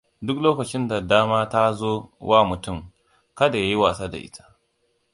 Duk lokacin da dama ta zo wa mutum, kada ya yi wasa da ita.